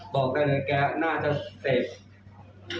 บอกให้นะว่าเกย์น่าจะแตสเขาละไปเยอะหน่อยนะครับ